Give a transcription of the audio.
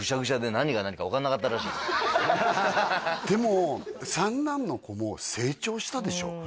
でも三男の子も成長したでしょ？